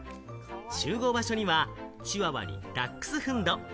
集合場所には、チワワにダックスフント。